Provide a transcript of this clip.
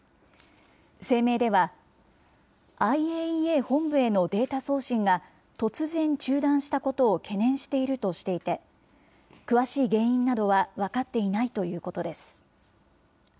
声明では、ＩＡＥＡ本部へのデータ送信が突然中断したことを懸念しているとしていて、詳しい原因などは分かっていないということです。